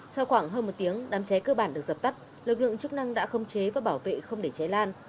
sau khoảng hơn một tiếng đám cháy cơ bản được dập tắt lực lượng chức năng đã khống chế và bảo vệ không để cháy lan